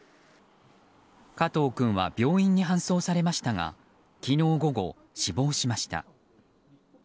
加藤君は病院に搬送されましたが昨日午後、死亡しました。